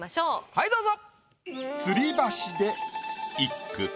はいどうぞ。